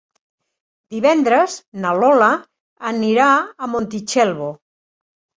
Divendres na Lola anirà a Montitxelvo.